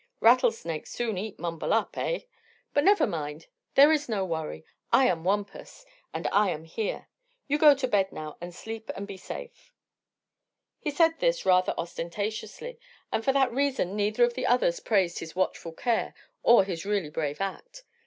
Rattlesnake soon eat Mumble up eh? But never mind; there is no worry. I am Wampus, an' I am here. You go to bed now, an' sleep an' be safe." He said this rather ostentatiously, and for that reason neither of the others praised his watchful care or his really brave act.